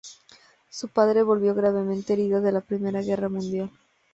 Su padre volvió gravemente herido de la Primera Guerra Mundial.